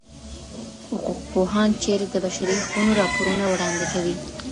حقوقپوهان چیري د بشري حقونو راپورونه وړاندي کوي؟